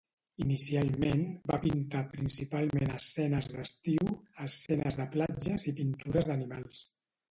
Inicialment va pintar principalment escenes d'estiu, escenes de platges i pintures d'animals.